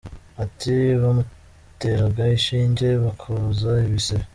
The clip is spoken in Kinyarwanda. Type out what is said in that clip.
Ati “ Bamuteraga inshinge, bakoza ibisebe.